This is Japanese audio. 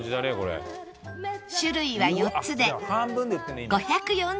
種類は４つで５４０円から